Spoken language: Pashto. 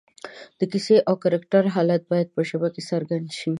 د کیسې او کرکټر حالت باید په ژبه کې څرګند شي